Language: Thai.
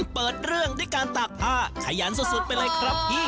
เปิดเรื่องด้วยการตากผ้าขยันสุดไปเลยครับพี่